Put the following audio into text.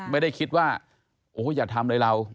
ไม่ได้คิดว่าโอ้โหอย่าทำเลยเรา